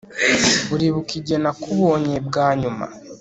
Uribuka igihe nakubonye bwa nyuma